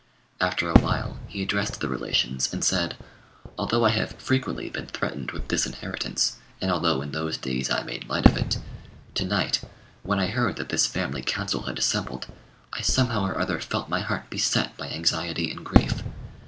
After a while, he addressed the relations and said, "Although I have frequently been threatened with disinheritance, and although in those days I made light of it, to night, when I heard that this family council had assembled, I somehow or other felt my heart beset by anxiety and grief.